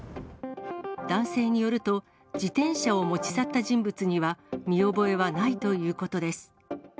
男性によると、自転車を持ち去った人物には見覚えはないということです。